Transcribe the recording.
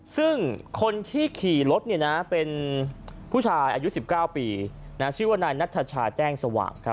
ซึ่งคนที่ขี่รถเป็นผู้ชายอายุ๑๙ปีชื่อว่านายนัทชาแจ้งสว่าง